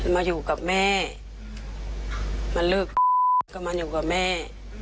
มาอยู่กับแม่มาเลิกก็มาอยู่กับแม่